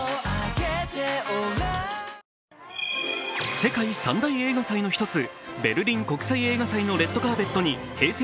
世界３大映画祭の一つ、ベルリン国際映画祭のレッドカーペットにＨｅｙ！